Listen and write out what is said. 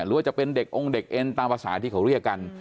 หรือว่าจะเป็นเด็กองค์เด็กเอ็นตามภาษาที่เขาเรียกกัน